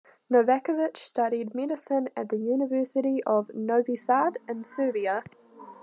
Novakovich studied medicine at the University of Novi Sad in Serbia.